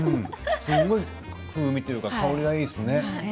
風味というか香りがいいですね。